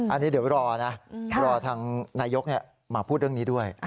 อันนี้เดี๋ยวรอนะรอทางนายกมาพูดเรื่องนี้ด้วย